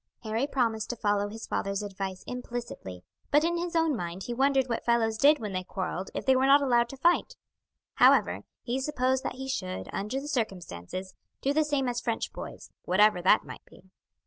Harry promised to follow his father's advice implicitly, but in his own mind he wondered what fellows did when they quarrelled if they were not allowed to fight; however, he supposed that he should, under the circumstances, do the same as French boys, whatever that might be.